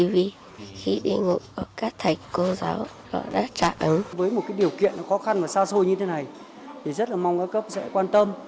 với một điều kiện khó khăn và xa xôi như thế này rất mong các cấp sẽ quan tâm